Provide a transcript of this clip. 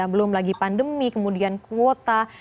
belum lagi pandemi kemudian kuota